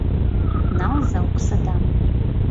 «Налза оксадам.